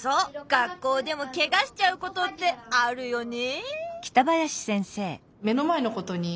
学校でもケガしちゃうことってあるよね！